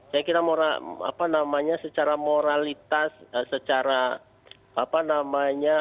saya kira moral apa namanya secara moralitas secara apa namanya